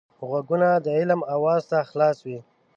غوږونه د علم آواز ته خلاص وي